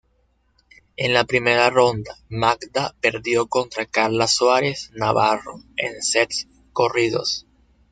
En la primera ronda, Magda perdió contra Carla Suárez Navarro en sets corridos.